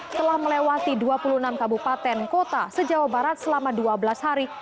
telah melewati dua puluh enam kabupaten kota sejauh barat selama dua belas hari